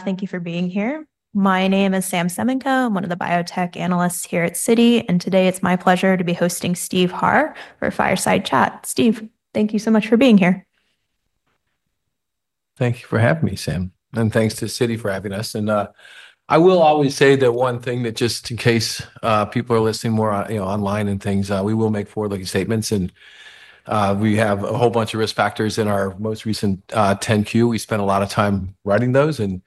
Thank you for being here. My name is Sam Semenko. I'm one of the biotech analysts here at Citi, and today it's my pleasure to be hosting Steve Harr for a fireside chat. Steve, thank you so much for being here. Thank you for having me, Sam, and thanks to Citi for having us. I will always say the one thing that just in case people are listening more, you know, online and things, we will make forward-looking statements. We have a whole bunch of risk factors in our most recent 10-Q. We spent a lot of time writing those, and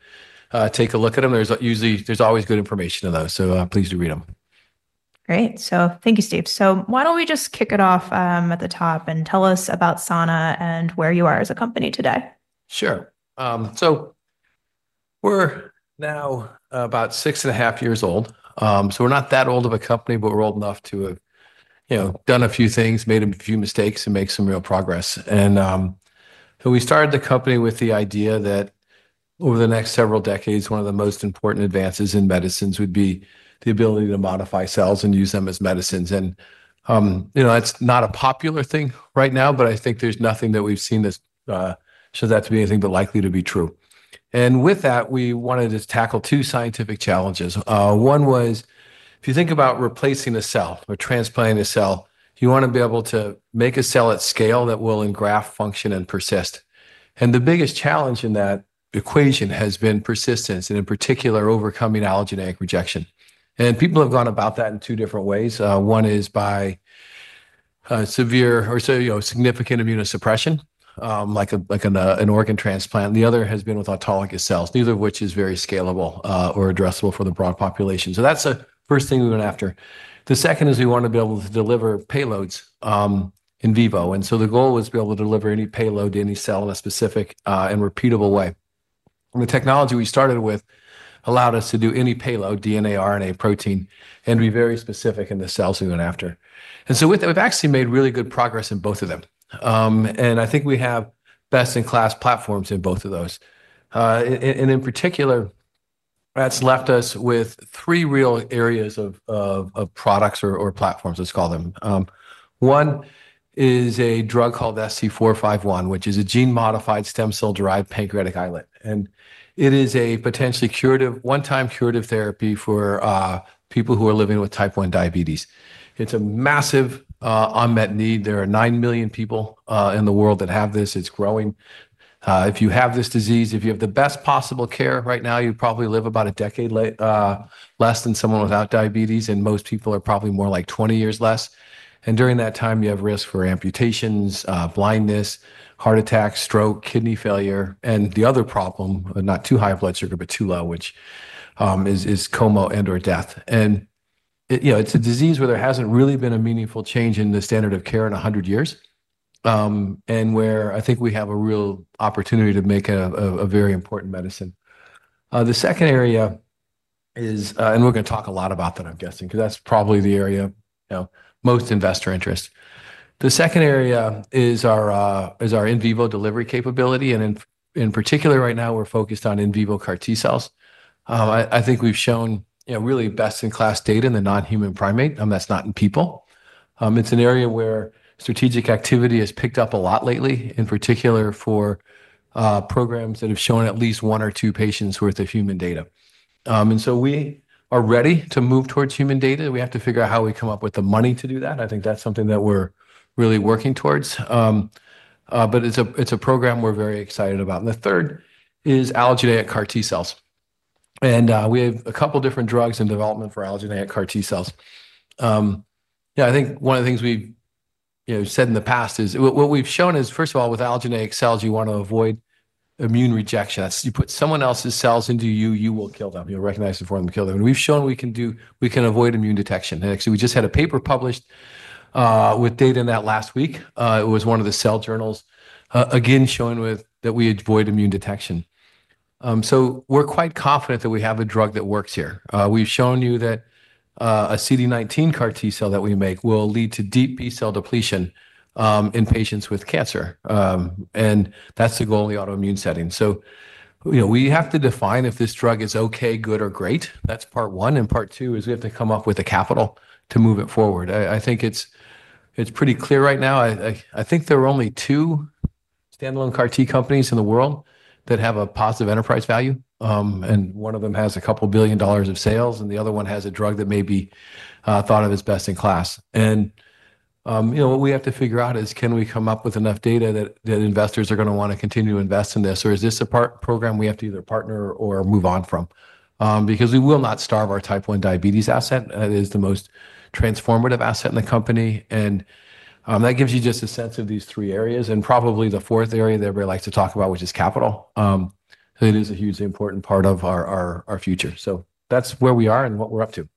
take a look at them. There is always good information in those, so please read them. Great. Thank you, Steve. Why don't we just kick it off at the top and tell us about Sana and where you are as a company today? Sure. We're now about six and a half years old. We're not that old of a company, but we're old enough to have done a few things, made a few mistakes, and made some real progress. We started the company with the idea that over the next several decades, one of the most important advances in medicines would be the ability to modify cells and use them as medicines. That's not a popular thing right now, but I think there's nothing that we've seen that shows that to be anything but likely to be true. With that, we wanted to tackle two scientific challenges. One was, if you think about replacing a cell or transplanting a cell, you want to be able to make a cell at scale that will engraft, function, and persist. The biggest challenge in that equation has been persistence, and in particular, overcoming allogeneic rejection. People have gone about that in two different ways. One is by severe, or significant immunosuppression, like an organ transplant. The other has been with autologous cells, neither of which is very scalable or addressable for the broad population. That's the first thing we went after. The second is we want to be able to deliver payloads in vivo. The goal was to be able to deliver any payload to any cell in a specific and repeatable way. The technology we started with allowed us to do any payload, DNA, RNA, protein, and be very specific in the cells we went after. We've actually made really good progress in both of them. I think we have best-in-class platforms in both of those. In particular, that's left us with three real areas of products or platforms, let's call them. One is a drug called SC-451, which is a gene-modified stem cell-derived pancreatic islet. It is a potentially curative, one-time curative therapy for people who are living with type 1 diabetes. It's a massive unmet need. There are 9 million people in the world that have this. It's growing. If you have this disease, if you have the best possible care right now, you probably live about a decade less than someone without diabetes. Most people are probably more like 20 years less. During that time, you have risk for amputations, blindness, heart attacks, stroke, kidney failure, and the other problem, not too high blood sugar, but too low, which is coma and/or death. It's a disease where there hasn't really been a meaningful change in the standard of care in 100 years, and where I think we have a real opportunity to make a very important medicine. The second area is, and we're going to talk a lot about that, I'm guessing, because that's probably the area most investor interest. The second area is our in vivo delivery capability. In particular, right now, we're focused on in vivo CAR T cells. I think we've shown really best-in-class data in the non-human primate. That's not in people. It's an area where strategic activity has picked up a lot lately, in particular for programs that have shown at least one or two patients' worth of human data. We are ready to move towards human data. We have to figure out how we come up with the money to do that. I think that's something that we're really working towards. It's a program we're very excited about. The third is allogeneic CAR T cells. We have a couple of different drugs in development for allogeneic CAR T cells. One of the things we've said in the past is what we've shown is, first of all, with allogeneic cells, you want to avoid immune rejection. You put someone else's cells into you, you will kill them. You'll recognize the forum to kill them. We've shown we can avoid immune detection. Actually, we just had a paper published with data in that last week. It was one of the Cell journals, again, showing that we avoid immune detection. We're quite confident that we have a drug that works here. We've shown you that a CD19 CAR T cell that we make will lead to deep B-cell depletion in patients with cancer, and that's the goal in the autoimmune setting. We have to define if this drug is OK, good, or great. That's part one. Part two is we have to come up with capital to move it forward. I think it's pretty clear right now. I think there are only two standalone CAR T companies in the world that have a positive enterprise value. One of them has a couple billion dollars of sales, and the other one has a drug that may be thought of as best in class. What we have to figure out is can we come up with enough data that investors are going to want to continue to invest in this, or is this a program we have to either partner or move on from? We will not starve our type 1 diabetes asset. It is the most transformative asset in the company. That gives you just a sense of these three areas. Probably the fourth area that everybody likes to talk about, which is capital, is a hugely important part of our future. That's where we are and what we're up to.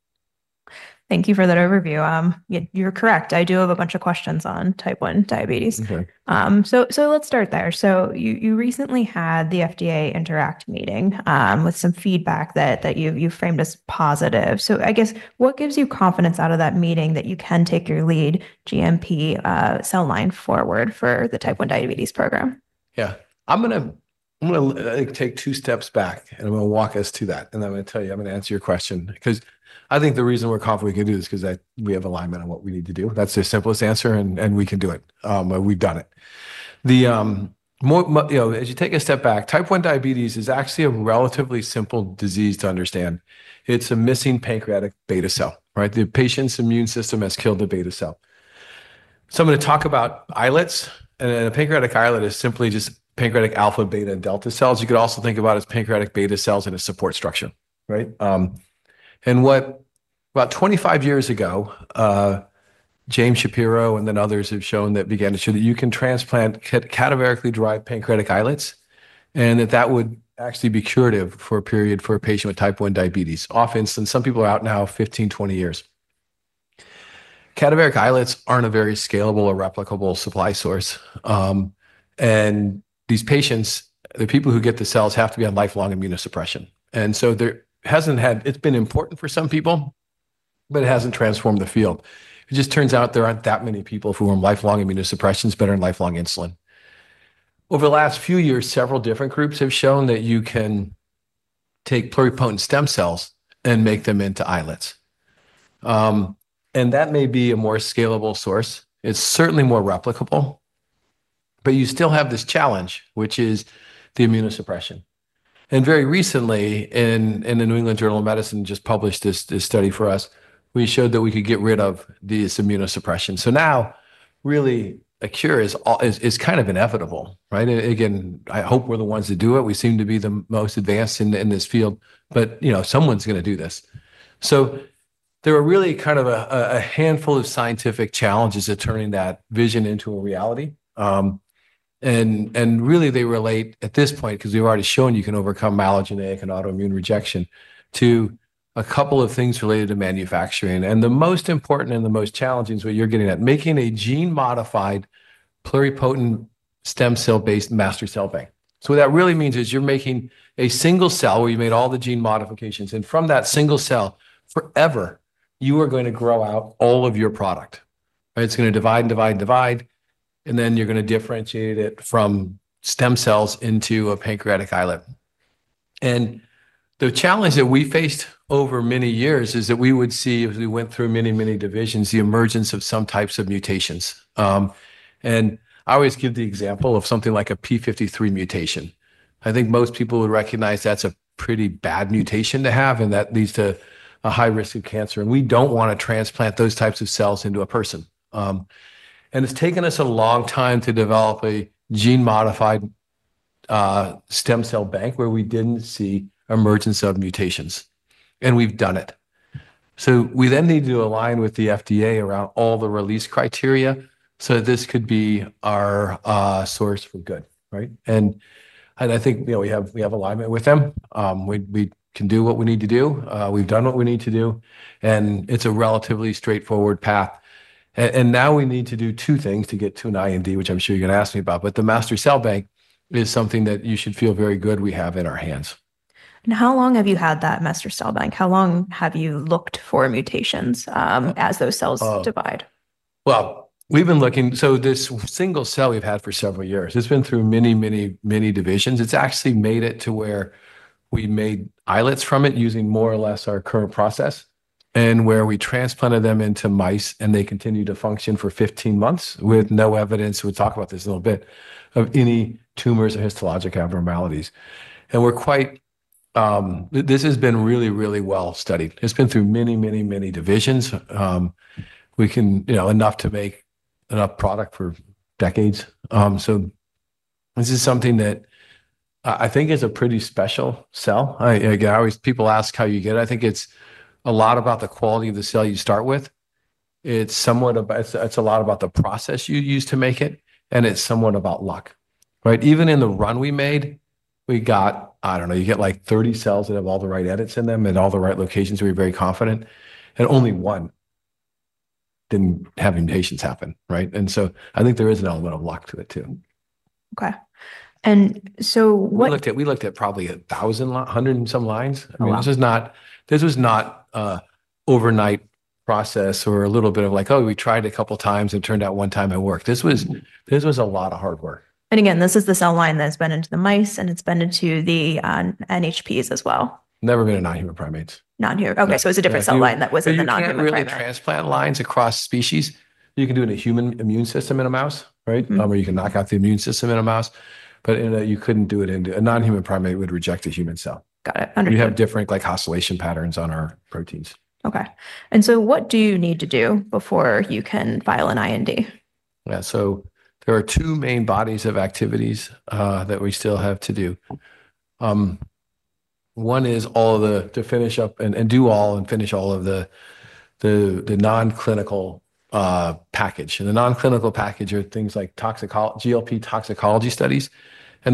Thank you for that overview. You're correct. I do have a bunch of questions on type 1 diabetes. OK. Let's start there. You recently had the FDA Interact meeting with some feedback that you framed as positive. I guess what gives you confidence out of that meeting that you can take your lead GMP cell line forward for the type 1 diabetes program? Yeah, I'm going to take two steps back and walk us through that. I'm going to answer your question because I think the reason we're confident we can do this is because we have alignment on what we need to do. That's the simplest answer. We can do it. We've done it. As you take a step back, type 1 diabetes is actually a relatively simple disease to understand. It's a missing pancreatic beta cell. The patient's immune system has killed the beta cell. I'm going to talk about islets. A pancreatic islet is simply just pancreatic alpha, beta, and delta cells. You could also think about it as pancreatic beta cells in a support structure, right? About 25 years ago, James Shapiro and others began to show that you can transplant cadaverically derived pancreatic islets and that would actually be curative for a period for a patient with type 1 diabetes. Some people are out now 15, 20 years. Cadaveric islets aren't a very scalable or replicable supply source. These patients, the people who get the cells, have to be on lifelong immunosuppression. It has been important for some people, but it hasn't transformed the field. It just turns out there aren't that many people who are on lifelong immunosuppression; better on lifelong insulin. Over the last few years, several different groups have shown that you can take pluripotent stem cells and make them into islets. That may be a more scalable source. It's certainly more replicable. You still have this challenge, which is the immunosuppression. Very recently, the New England Journal of Medicine just published this study for us. We showed that we could get rid of this immunosuppression. Now, really, a cure is kind of inevitable, right? I hope we're the ones to do it. We seem to be the most advanced in this field. Someone's going to do this. There are really kind of a handful of scientific challenges at turning that vision into a reality. They relate at this point, because we've already shown you can overcome allogeneic and autoimmune rejection, to a couple of things related to manufacturing. The most important and the most challenging is what you're getting at, making a gene-modified pluripotent stem cell master cell bank. What that really means is you're making a single cell where you made all the gene modifications. From that single cell forever, you are going to grow out all of your product. It's going to divide and divide and divide. Then you're going to differentiate it from stem cells into a pancreatic islet. The challenge that we faced over many years is that we would see, as we went through many, many divisions, the emergence of some types of mutations. I always give the example of something like a P53 mutation. I think most people would recognize that's a pretty bad mutation to have. That leads to a high risk of cancer. We don't want to transplant those types of cells into a person. It's taken us a long time to develop a gene-modified stem cell bank where we didn't see emergence of mutations. We've done it. We then need to align with the FDA around all the release criteria so that this could be our source for good, right? I think, you know, we have alignment with them. We can do what we need to do. We've done what we need to do. It's a relatively straightforward path. Now we need to do two things to get to an IND, which I'm sure you're going to ask me about. The master cell bank is something that you should feel very good we have in our hands. How long have you had that master cell bank? How long have you looked for mutations as those cells divide? We've been looking, so this single cell we've had for several years, it's been through many, many, many divisions. It's actually made it to where we made islets from it using more or less our current process and where we transplanted them into mice. They continue to function for 15 months with no evidence—we'll talk about this a little bit—of any tumors or histologic abnormalities. We're quite, this has been really, really well studied. It's been through many, many, many divisions. You know, enough to make enough product for decades. This is something that I think is a pretty special cell. Like I always, people ask how you get it. I think it's a lot about the quality of the cell you start with. It's somewhat about, it's a lot about the process you use to make it. It's somewhat about luck, right? Even in the run we made, we got, I don't know, you get like 30 cells that have all the right edits in them and all the right locations where you're very confident. Only one didn't have mutations happen, right? I think there is an element of luck to it too. OK, what? We looked at probably a thousand, hundred and some lines. This was not an overnight process or a little bit of like, oh, we tried a couple of times and it turned out one time it worked. This was a lot of hard work. This is the cell line that's been into the mice, and it's been into the NHPs as well. Never been in non-human primates. Non-human. OK, it's a different cell line that was in the non-human primates. Really, transplant lines across species. You can do it in a human immune system in a mouse, right? You can knock out the immune system in a mouse, but you couldn't do it in a non-human primate. It would reject a human cell. Got it. You have different oscillation patterns on our proteins. OK. What do you need to do before you can file an IND? Yeah, so there are two main bodies of activities that we still have to do. One is to finish up and do all and finish all of the non-clinical package. The non-clinical package are things like GLP toxicology studies.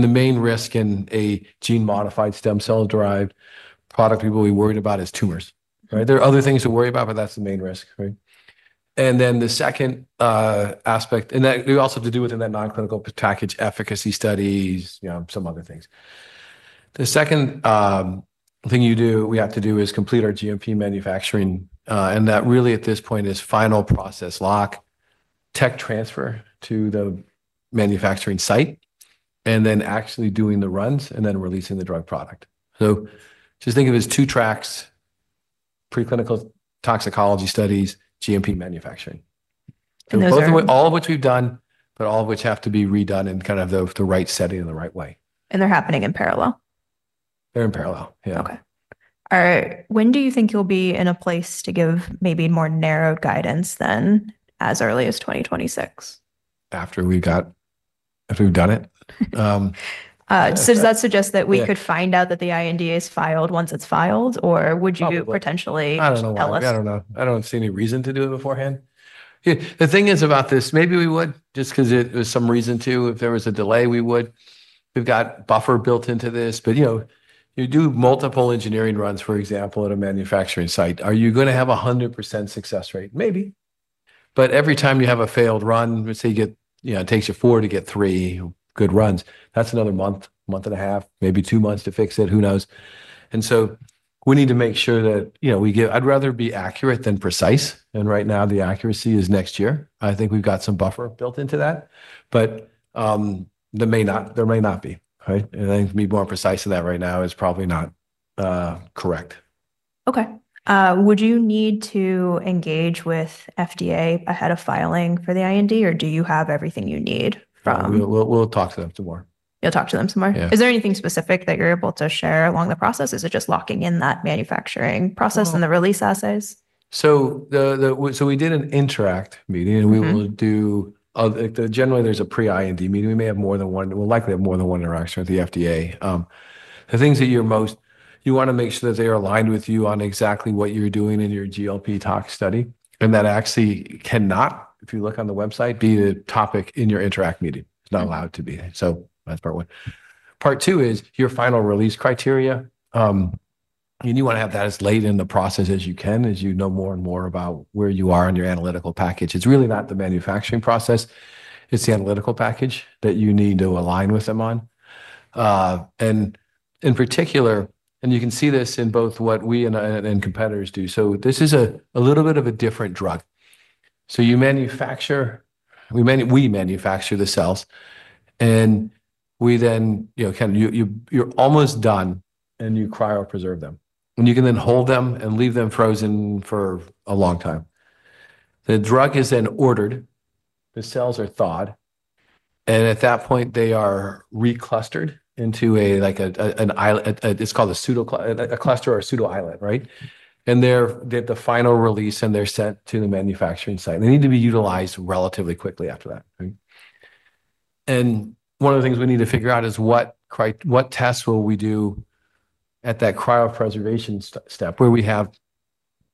The main risk in a gene-modified stem cell-derived product people will be worried about is tumors. There are other things to worry about, but that's the main risk, right? Within that non-clinical package, we also have to do efficacy studies and some other things. The second thing we have to do is complete our GMP manufacturing. That really, at this point, is final process lock, tech transfer to the manufacturing site, and then actually doing the runs and then releasing the drug product. Just think of it as two tracks: preclinical toxicology studies, GMP manufacturing. And those. All of which we've done, but all of which have to be redone in the right setting in the right way. They're happening in parallel? They're in parallel, yeah. OK. When do you think you'll be in a place to give maybe more narrow guidance, then, as early as 2026? After we've done it. Does that suggest that we could find out that the IND is filed once it's filed, or would you potentially tell us? I don't know. I don't see any reason to do it beforehand. The thing is about this, maybe we would, just because it was some reason to, if there was a delay, we would. We've got buffer built into this. You do multiple engineering runs, for example, at a manufacturing site. Are you going to have a 100% success rate? Maybe. Every time you have a failed run, let's say it takes you four to get three good runs, that's another month, month and a half, maybe two months to fix it. Who knows? We need to make sure that we get, I'd rather be accurate than precise. Right now, the accuracy is next year. I think we've got some buffer built into that. There may not be. I think to be more precise in that right now is probably not correct. OK. Would you need to engage with the FDA ahead of filing for the IND, or do you have everything you need from? Talk to them some more. You'll talk to them some more? Yeah. Is there anything specific that you're able to share along the process? Is it just locking in that manufacturing process and the release assays? We did an Interact meeting. Generally, there's a pre-IND meeting. We may have more than one. We'll likely have more than one interaction with the FDA. The things that you're most, you want to make sure that they are aligned with you on exactly what you're doing in your GLP tox study. That actually cannot, if you look on the website, be the topic in your Interact meeting. It's not allowed to be there. That's part one. Part two is your final release criteria. You want to have that as late in the process as you can, as you know more and more about where you are in your analytical package. It's really not the manufacturing process. It's the analytical package that you need to align with them on. In particular, you can see this in both what we and competitors do. This is a little bit of a different drug. You manufacture, we manufacture the cells. We then, you know, kind of, you're almost done. You cryopreserve them. You can then hold them and leave them frozen for a long time. The drug is then ordered. The cells are thawed. At that point, they are reclustered into a, like, an islet. It's called a cluster or a pseudo islet. Right? They have the final release. They're sent to the manufacturing site. They need to be utilized relatively quickly after that. One of the things we need to figure out is what tests will we do at that cryopreservation step where we have,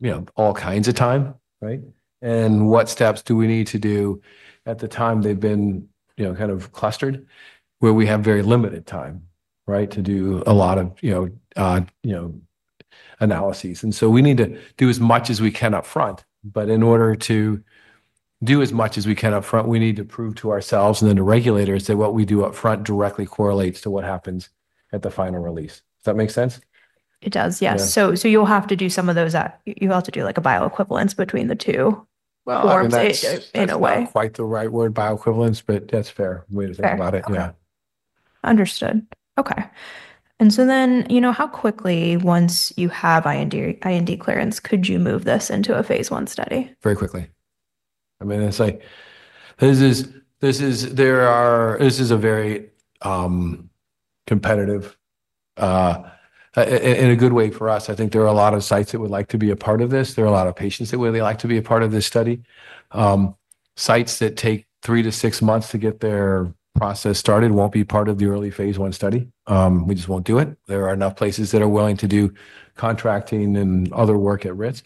you know, all kinds of time. Right? What steps do we need to do at the time they've been, you know, kind of clustered where we have very limited time, right, to do a lot of, you know, analyses. We need to do as much as we can up front. In order to do as much as we can up front, we need to prove to ourselves and then to regulators that what we do up front directly correlates to what happens at the final release. Does that make sense? It does, yes. You'll have to do some of those. You'll have to do a bioequivalence between the two. I don't know if that's quite the right word, bioequivalence, but that's a fair way to think about it. Yeah. Understood. OK. How quickly, once you have IND clearance, could you move this into a phase one study? Very quickly. I mean, this is a very competitive, in a good way for us. I think there are a lot of sites that would like to be a part of this. There are a lot of patients that would really like to be a part of this study. Sites that take three to six months to get their process started won't be part of the early phase one study. We just won't do it. There are enough places that are willing to do contracting and other work at risk.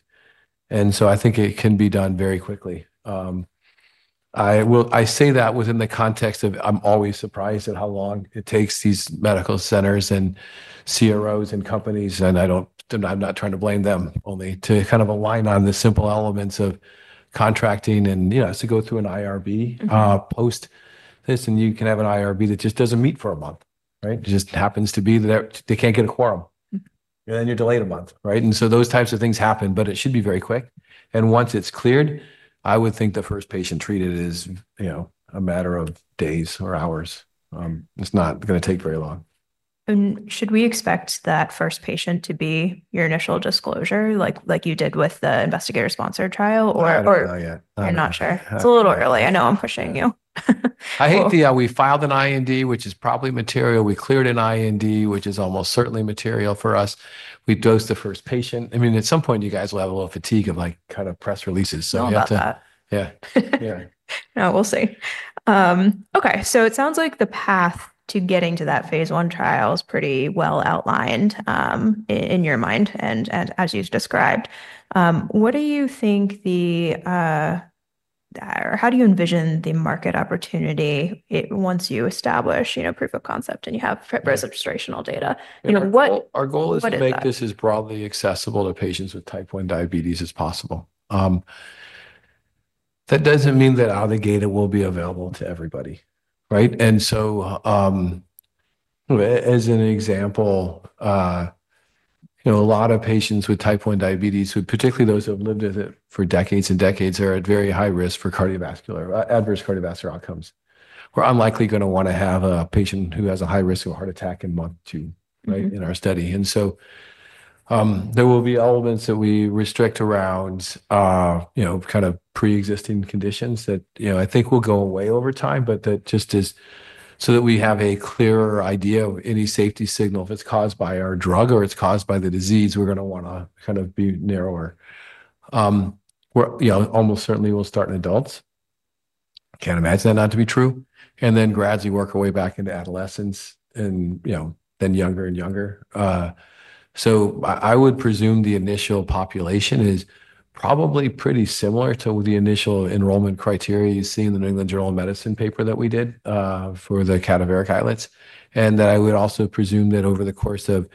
I think it can be done very quickly. I say that within the context of I'm always surprised at how long it takes these medical centers and CROs and companies to align on the simple elements of contracting. You know, it has to go through an IRB post this. You can have an IRB that just doesn't meet for a month. It just happens to be that they can't get a quorum, and then you're delayed a month. Those types of things happen, but it should be very quick. Once it's cleared, I would think the first patient treated is a matter of days or hours. It's not going to take very long. Should we expect that first patient to be your initial disclosure, like you did with the investigator-sponsored trial? You're not sure. It's a little early. I know I'm pushing you. I think we filed an IND, which is probably material. We cleared an IND, which is almost certainly material for us. We dosed the first patient. At some point, you guys will have a little fatigue of press releases. You have to, yeah. Yeah, we'll see. OK. It sounds like the path to getting to that phase one trial is pretty well outlined in your mind and as you've described. What do you think the, or how do you envision the market opportunity once you establish proof of concept and you have registrational data? Our goal is to make this as broadly accessible to patients with type 1 diabetes as possible. That doesn't mean that all the data will be available to everybody, right? As an example, a lot of patients with type 1 diabetes, particularly those that have lived with it for decades and decades, are at very high risk for adverse cardiovascular outcomes. We're unlikely going to want to have a patient who has a high risk of a heart attack in month two, right, in our study. There will be elements that we restrict around pre-existing conditions that I think will go away over time. That just is so that we have a clearer idea of any safety signal. If it's caused by our drug or it's caused by the disease, we're going to want to kind of be narrower. We almost certainly will start in adults. Can't imagine that not to be true, and then gradually work our way back into adolescents and then younger and younger. I would presume the initial population is probably pretty similar to the initial enrollment criteria you see in the New England Journal of Medicine paper that we did for the cadaveric islets. I would also presume that over the course of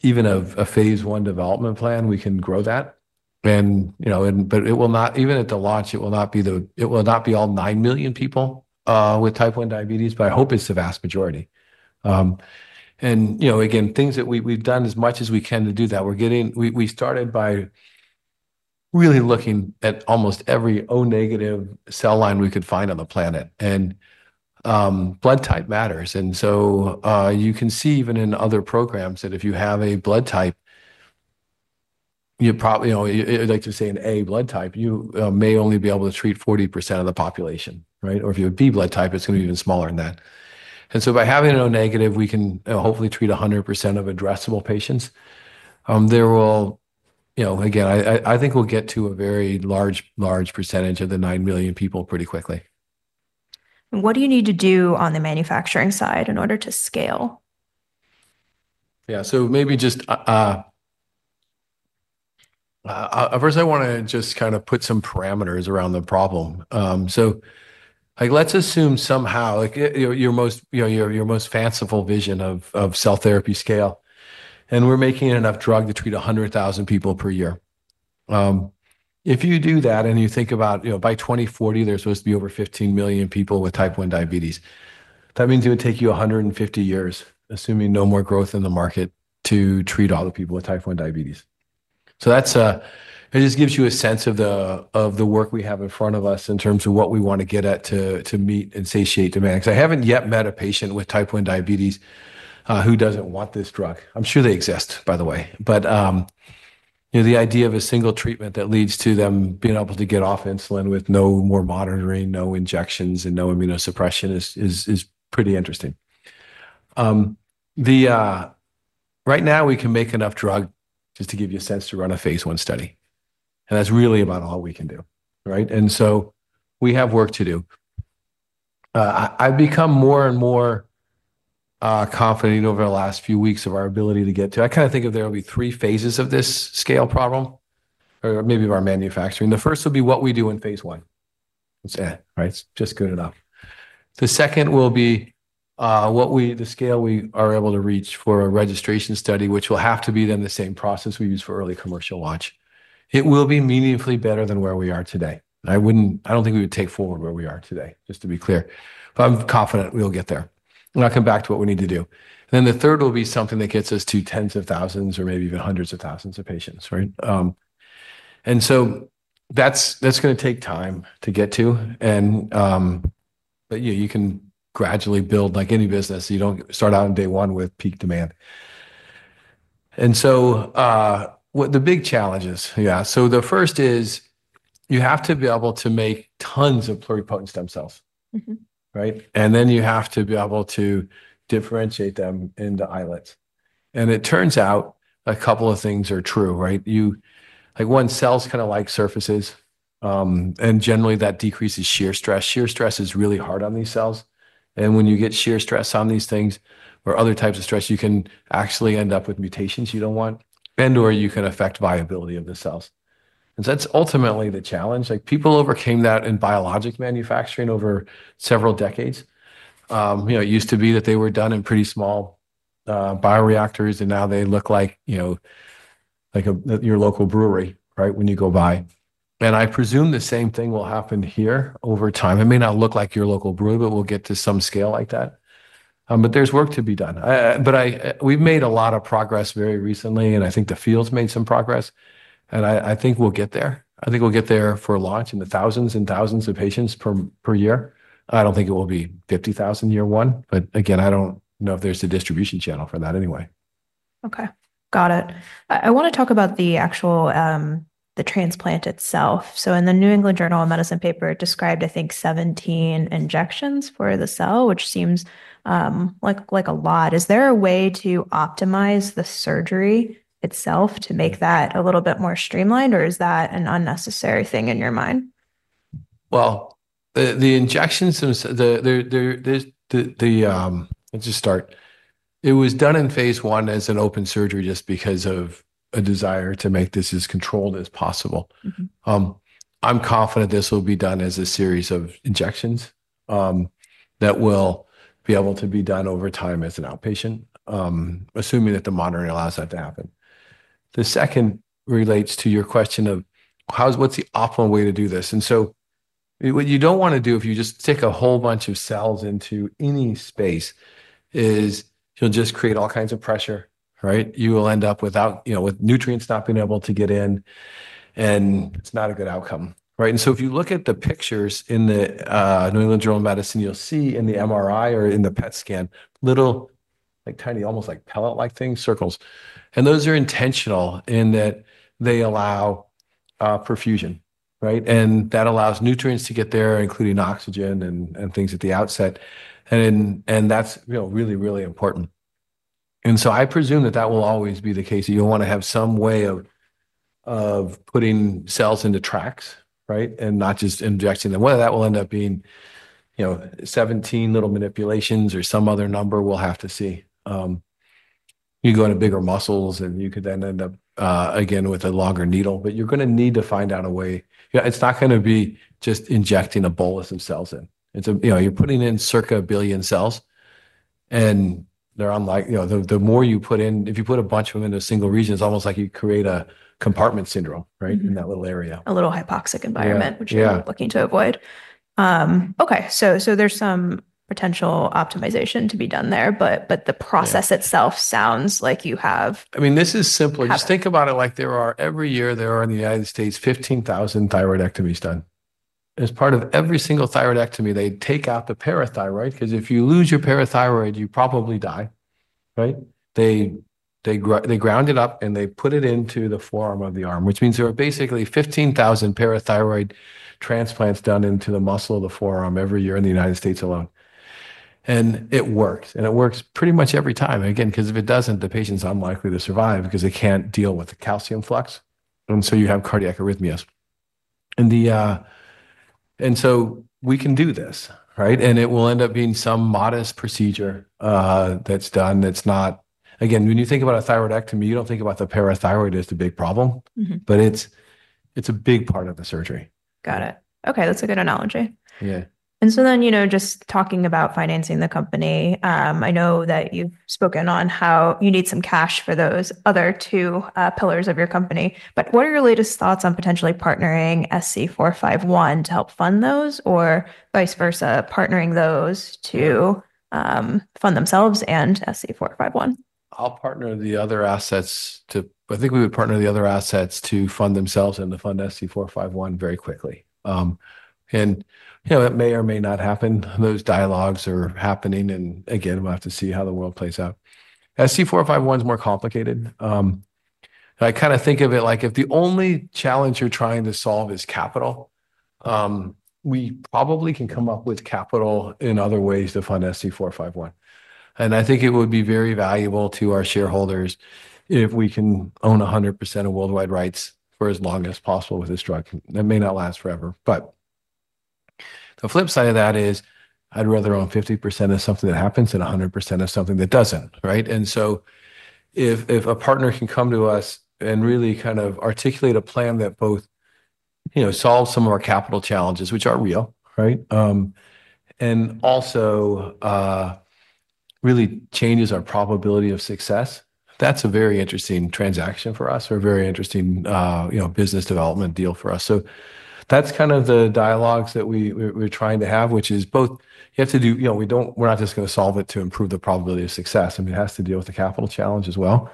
even a phase one development plan, we can grow that, but it will not, even at the launch, it will not be all 9 million people with type 1 diabetes. I hope it's the vast majority. Again, things that we've done as much as we can to do that. We started by really looking at almost every O negative cell line we could find on the planet. Blood type matters, and so you can see even in other programs that if you have a blood type, you probably, I'd like to say an A blood type, you may only be able to treat 40% of the population, right? Or if you have a B blood type, it's going to be even smaller than that. By having an O negative, we can hopefully treat 100% of addressable patients. Again, I think we'll get to a very large, large percentage of the 9 million people pretty quickly. What do you need to do on the manufacturing side in order to scale? Yeah, so maybe just, first, I want to just kind of put some parameters around the problem. Let's assume somehow, like, you know, your most fanciful vision of cell therapy scale. We're making enough drugs to treat 100,000 people per year. If you do that and you think about, you know, by 2040, there's supposed to be over 15 million people with type 1 diabetes. That means it would take you 150 years, assuming no more growth in the market, to treat all the people with type 1 diabetes. That just gives you a sense of the work we have in front of us in terms of what we want to get at to meet and satiate demand. I haven't yet met a patient with type 1 diabetes who doesn't want this drug. I'm sure they exist, by the way. The idea of a single treatment that leads to them being able to get off insulin with no more monitoring, no injections, and no immunosuppression is pretty interesting. Right now, we can make enough drug, just to give you a sense, to run a phase one study. That's really about all we can do. We have work to do. I've become more and more confident over the last few weeks of our ability to get to, I kind of think of there will be three phases of this scale problem, or maybe of our manufacturing. The first will be what we do in phase one. That's it. It's just good enough. The second will be the scale we are able to reach for a registration study, which will have to be then the same process we use for early commercial launch. It will be meaningfully better than where we are today. I don't think we would take forward where we are today, just to be clear. I'm confident we'll get there. I'll come back to what we need to do. The third will be something that gets us to tens of thousands or maybe even hundreds of thousands of patients. That's going to take time to get to. You can gradually build, like any business, you don't start out on day one with peak demand. The big challenge is, yeah, so the first is you have to be able to make tons of pluripotent stem cells. You have to be able to differentiate them into islets. It turns out a couple of things are true. One, cells kind of like surfaces. Generally, that decreases shear stress. Shear stress is really hard on these cells. When you get shear stress on these things or other types of stress, you can actually end up with mutations you don't want, and/or you can affect viability of the cells. That's ultimately the challenge. People overcame that in biologic manufacturing over several decades. It used to be that they were done in pretty small bioreactors. Now they look like, you know, like your local brewery, right, when you go by. I presume the same thing will happen here over time. It may not look like your local brewery, but we'll get to some scale like that. There's work to be done. We've made a lot of progress very recently. I think the field's made some progress. I think we'll get there. I think we'll get there for launch in the thousands and thousands of patients per year. I don't think it will be 50,000 year one. I don't know if there's a distribution channel for that anyway. OK. Got it. I want to talk about the actual, the transplant itself. In the New England Journal of Medicine paper, it described, I think, 17 injections for the cell, which seems like a lot. Is there a way to optimize the surgery itself to make that a little bit more streamlined? Is that an unnecessary thing in your mind? The injections, let's just start. It was done in phase one as an open surgery just because of a desire to make this as controlled as possible. I'm confident this will be done as a series of injections that will be able to be done over time as an outpatient, assuming that the monitoring allows that to happen. The second relates to your question of what's the optimal way to do this. What you don't want to do if you just stick a whole bunch of cells into any space is you'll just create all kinds of pressure, right? You will end up with nutrients not being able to get in, and it's not a good outcome, right? If you look at the pictures in the New England Journal of Medicine, you'll see in the MRI or in the PET scan little, like tiny, almost like pellet-like things, circles. Those are intentional in that they allow perfusion, right? That allows nutrients to get there, including oxygen and things at the outset, and that's really, really important. I presume that that will always be the case. You'll want to have some way of putting cells into tracks, right, and not just injecting them. Whether that will end up being, you know, 17 little manipulations or some other number, we'll have to see. You can go into bigger muscles, and you could then end up, again, with a longer needle. You're going to need to find out a way. It's not going to be just injecting a bolus of cells in. You're putting in circa a billion cells, and they're unlikely, you know, the more you put in, if you put a bunch of them into a single region, it's almost like you create a compartment syndrome, right, in that little area. A little hypoxic environment, which we're looking to avoid. There is some potential optimization to be done there, but the process itself sounds like you have. I mean, this is simple. Just think about it like there are, every year, there are in the U.S. 15,000 thyroidectomies done. As part of every single thyroidectomy, they take out the parathyroid because if you lose your parathyroid, you probably die. Right? They ground it up, and they put it into the forearm of the arm, which means there are basically 15,000 parathyroid transplants done into the muscle of the forearm every year in the U.S. alone. It works, and it works pretty much every time. Again, because if it doesn't, the patient's unlikely to survive because they can't deal with the calcium flux, and you have cardiac arrhythmias. We can do this, right? It will end up being some modest procedure that's done that's not, again, when you think about a thyroidectomy, you don't think about the parathyroid as the big problem, but it's a big part of the surgery. Got it. OK, that's a good analogy. Yeah. Just talking about financing the company, I know that you've spoken on how you need some cash for those other two pillars of your company. What are your latest thoughts on potentially partnering SC-451 to help fund those or vice versa, partnering those to fund themselves and SC-451? I'll partner the other assets to, I think we would partner the other assets to fund themselves and to fund SC-451 very quickly. It may or may not happen. Those dialogues are happening. We will have to see how the world plays out. SC-451 is more complicated. I kind of think of it like if the only challenge you're trying to solve is capital, we probably can come up with capital in other ways to fund SC-451. I think it would be very valuable to our shareholders if we can own 100% of worldwide rights for as long as possible with this drug. That may not last forever. The flip side of that is I'd rather own 50% of something that happens than 100% of something that doesn't, right? If a partner can come to us and really kind of articulate a plan that both solves some of our capital challenges, which are real, and also really changes our probability of success, that's a very interesting transaction for us or a very interesting business development deal for us. That's kind of the dialogues that we're trying to have, which is both, you have to do, you know, we don't, we're not just going to solve it to improve the probability of success. It has to deal with the capital challenge as well.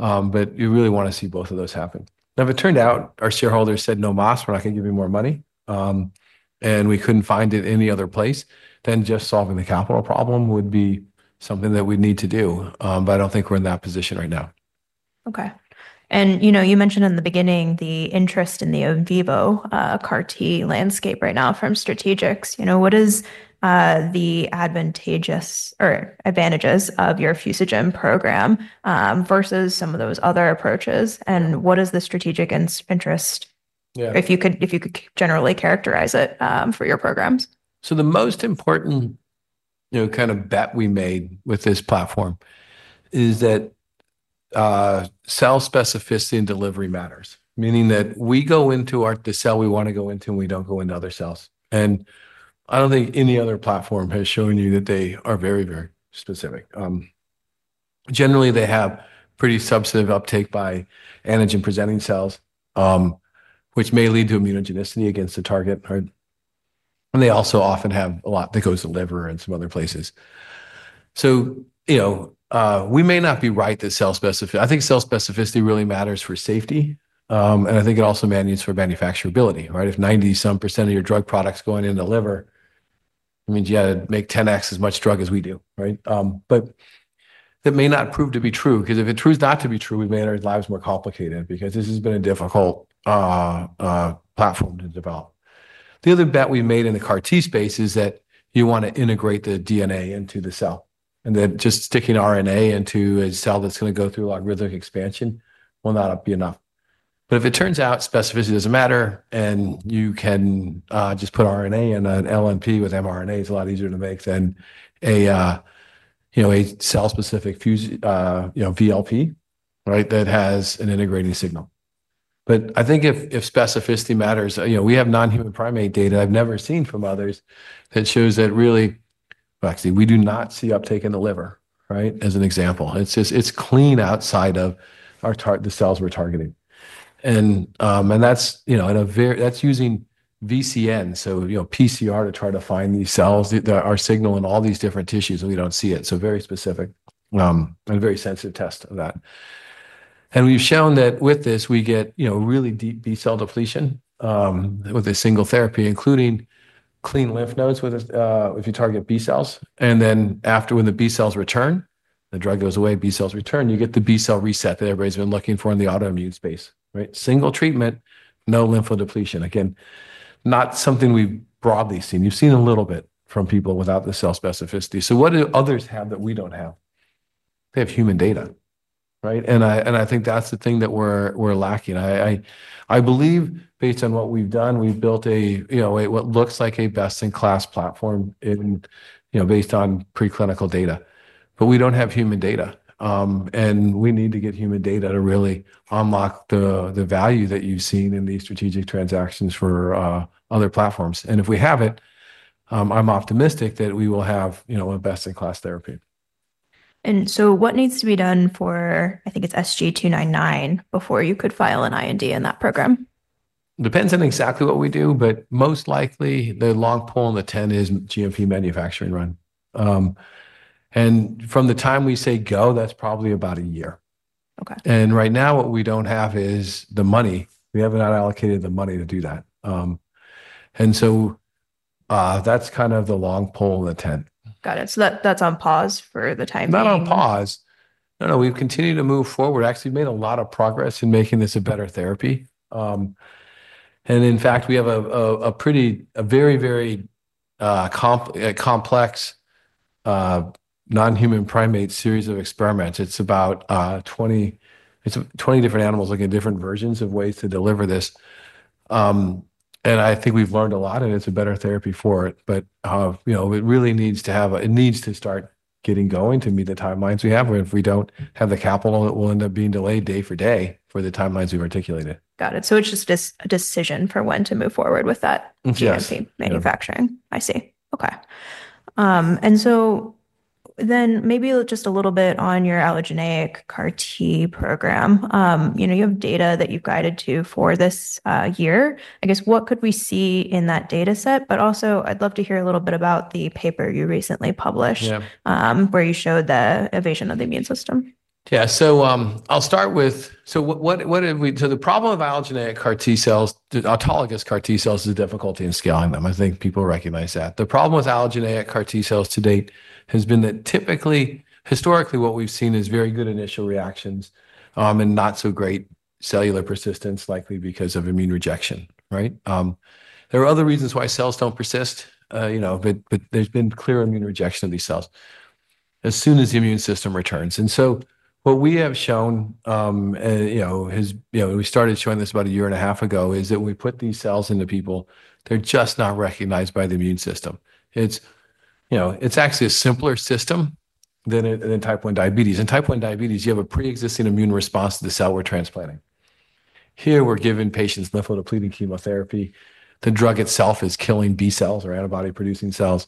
You really want to see both of those happen. If it turned out our shareholders said, no mas, we're not going to give you more money, and we couldn't find it in any other place, then just solving the capital problem would be something that we'd need to do. I don't think we're in that position right now. OK. You mentioned in the beginning the interest in the in vivo CAR T landscape right now from Strategics. What is the advantage of your fusogen program versus some of those other approaches? What is the strategic interest, if you could generally characterize it, for your programs? The most important kind of bet we made with this platform is that cell specificity and delivery matters, meaning that we go into the cell we want to go into, and we do not go into other cells. I do not think any other platform has shown you that they are very, very specific. Generally, they have pretty substantive uptake by antigen-presenting cells, which may lead to immunogenicity against the target. They also often have a lot that goes to the liver and some other places. We may not be right that cell specificity, I think cell specificity really matters for safety. I think it also matters for manufacturability. If 90% of your drug product is going into the liver, it means you have to make 10x as much drug as we do. That may not prove to be true. Because if it proves not to be true, we have made our lives more complicated because this has been a difficult platform to develop. The other bet we made in the CAR T space is that you want to integrate the DNA into the cell. Just sticking RNA into a cell that is going to go through logarithmic expansion will not be enough. If it turns out specificity does not matter, and you can just put RNA in an LNP with mRNA, it is a lot easier to make than a cell-specific VLP that has an integrating signal. I think if specificity matters, we have non-human primate data I have never seen from others that shows that really, actually, we do not see uptake in the liver as an example. It is clean outside of the cells we are targeting. That is at a very, that is using VCN, so PCR to try to find these cells, our signal in all these different tissues. We do not see it. Very specific and very sensitive test of that. We have shown that with this, we get really deep B-cell depletion with a single therapy, including clean lymph nodes if you target B cells. After when the B cells return, the drug goes away, B cells return, you get the B cell reset that everybody has been looking for in the autoimmune space. Single treatment, no lymphodepletion. Again, not something we have broadly seen. You have seen a little bit from people without the cell specificity. What do others have that we do not have? They have human data. I think that is the thing that we are lacking. I believe, based on what we've done, we've built what looks like a best-in-class platform, based on preclinical data. We don't have human data, and we need to get human data to really unlock the value that you've seen in these strategic transactions for other platforms. If we have it, I'm optimistic that we will have a best-in-class therapy. What needs to be done for, I think it's SC-451, before you could file an IND in that program? Depends on exactly what we do. Most likely, the long pole in the tent is GMP manufacturing run. From the time we say go, that's probably about a year. Right now, what we don't have is the money. We have not allocated the money to do that. That's kind of the long pole in the tent. Got it. That is on pause for the time being. Not on pause. No, no, we've continued to move forward. Actually, we've made a lot of progress in making this a better therapy. In fact, we have a very, very complex non-human primate series of experiments. It's about 20 different animals looking at different versions of ways to deliver this. I think we've learned a lot. It's a better therapy for it. It really needs to start getting going to meet the timelines we have. If we don't have the capital, it will end up being delayed day for day for the timelines we've articulated. Got it. It is just a decision for when to move forward with that GMP manufacturing. Yeah. I see. OK. Maybe just a little bit on your allogeneic CAR T cell therapies program. You know, you have data that you've guided to for this year. I guess what could we see in that data set? I'd love to hear a little bit about the paper you recently published where you showed the evasion of the immune system. Yeah. I'll start with, so the problem of allogeneic CAR T cells, autologous CAR T cells, is the difficulty in scaling them. I think people recognize that. The problem with allogeneic CAR T cells to date has been that typically, historically, what we've seen is very good initial reactions and not so great cellular persistence, likely because of immune rejection. There are other reasons why cells don't persist, but there's been clear immune rejection of these cells as soon as the immune system returns. What we have shown, we started showing this about a year and a half ago, is that when we put these cells into people, they're just not recognized by the immune system. It's actually a simpler system than in type 1 diabetes. In type 1 diabetes, you have a pre-existing immune response to the cell we're transplanting. Here, we're giving patients lymphodepleting chemotherapy. The drug itself is killing B cells or antibody-producing cells.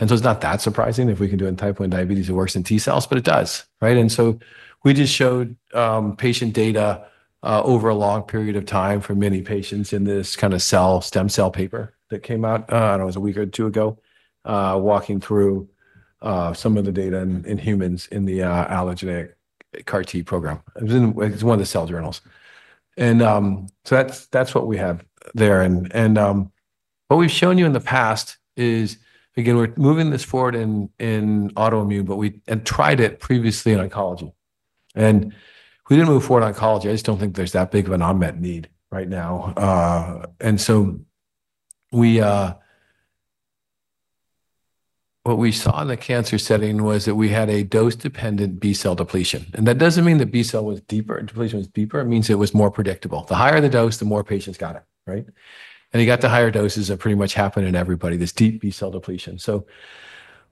It's not that surprising if we can do it in type 1 diabetes. It works in T cells. It does. We just showed patient data over a long period of time for many patients in this kind of cell stem cell paper that came out, I don't know, it was a week or two ago, walking through some of the data in humans in the allogeneic CAR T program. It was in one of the cell journals. That's what we have there. What we've shown you in the past is, again, we're moving this forward in autoimmune. We tried it previously in oncology. We didn't move forward in oncology. I just don't think there's that big of an unmet need right now. What we saw in the cancer setting was that we had a dose-dependent B cell depletion. That doesn't mean the B cell was deeper. Depletion was deeper. It means it was more predictable. The higher the dose, the more patients got it. You got the higher doses that pretty much happen in everybody, this deep B cell depletion.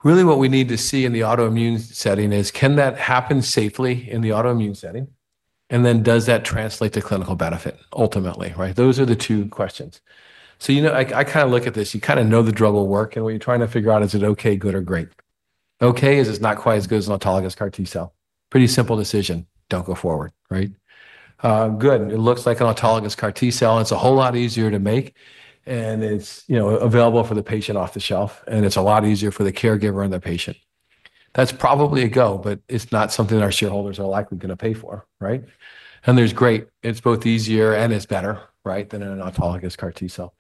What we need to see in the autoimmune setting is can that happen safely in the autoimmune setting? Does that translate to clinical benefit ultimately? Those are the two questions. I kind of look at this. You kind of know the drug will work. What you're trying to figure out is, is it OK, good, or great? OK is it's not quite as good as an autologous CAR T cell. Pretty simple decision. Don't go forward. Good. It looks like an autologous CAR T cell, and it's a whole lot easier to make. It's, you know, available for the patient off the shelf, and it's a lot easier for the caregiver and the patient. That's probably a go, but it's not something our shareholders are likely going to pay for, right? It's both easier and it's better, right, than an autologous CAR T cell.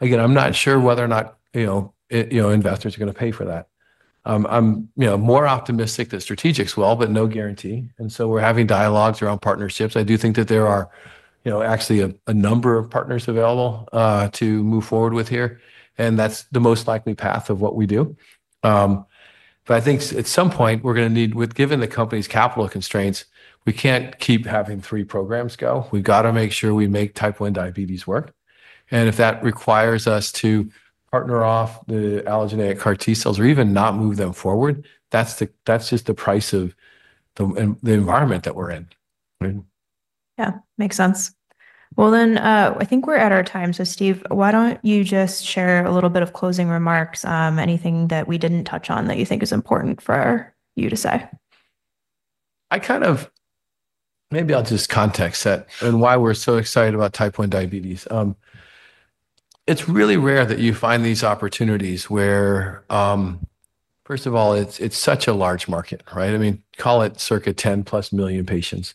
Again, I'm not sure whether or not investors are going to pay for that. I'm more optimistic that Strategics will, but no guarantee. We're having dialogues around partnerships. I do think that there are actually a number of partners available to move forward with here, and that's the most likely path of what we do. I think at some point, given the company's capital constraints, we can't keep having three programs go. We've got to make sure we make type 1 diabetes work, and if that requires us to partner off the allogeneic CAR T cells or even not move them forward, that's just the price of the environment that we're in. Makes sense. I think we're at our time. Steve, why don't you just share a little bit of closing remarks, anything that we didn't touch on that you think is important for you to say? Maybe I'll just context that and why we're so excited about type 1 diabetes. It's really rare that you find these opportunities where, first of all, it's such a large market. Right? I mean, call it circa 10+ million patients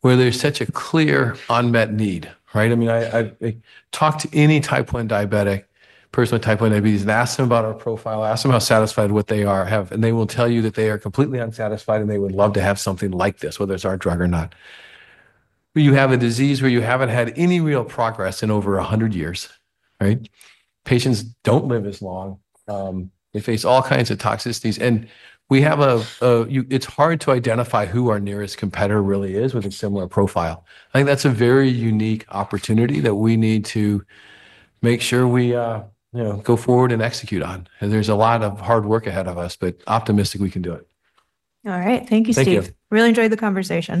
where there's such a clear unmet need. Right? I mean, I talk to any person with type 1 diabetes and ask them about our profile, ask them how satisfied they are, and they will tell you that they are completely unsatisfied. They would love to have something like this, whether it's our drug or not. You have a disease where you haven't had any real progress in over 100 years. Patients don't live as long. They face all kinds of toxicities. It's hard to identify who our nearest competitor really is with a similar profile. I think that's a very unique opportunity that we need to make sure we go forward and execute on. There's a lot of hard work ahead of us. Optimistic, we can do it. All right. Thank you, Steve. Thank you. Really enjoyed the conversation.